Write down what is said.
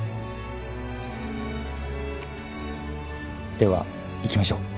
では行きましょう。